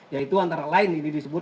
yaitu antara lain ini disebut